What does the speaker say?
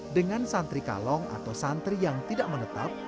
dengan santri kalong atau santri yang tidak menetap